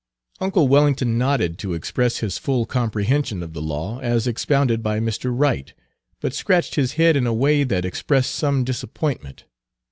Uncle Wellington nodded to express his full comprehension of the law as expounded by Mr. Wright, but scratched his head in a way that expressed some disappointment.